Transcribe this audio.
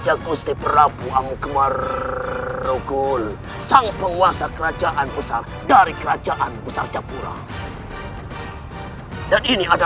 aku tidak mau berurusan dengan wanita